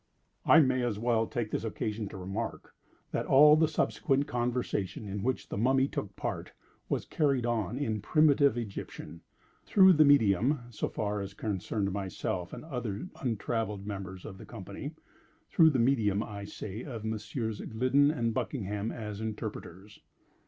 I may as well take this occasion to remark, that all the subsequent conversation in which the Mummy took a part, was carried on in primitive Egyptian, through the medium (so far as concerned myself and other untravelled members of the company)—through the medium, I say, of Messieurs Gliddon and Buckingham, as interpreters.